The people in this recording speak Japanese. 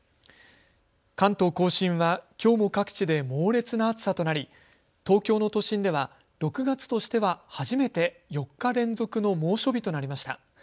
関東甲信はきょうも各地で猛烈な暑さとなり東京の都心では６月としては初めて４日連続の猛暑日となりました。